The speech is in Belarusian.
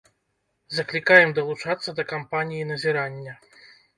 Заклікаем далучацца да кампаніі назірання.